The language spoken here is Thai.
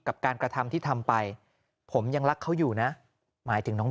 กับการกระทำที่ทำไปผมยังรักเขาอยู่นะหมายถึงน้อง